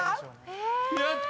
やった！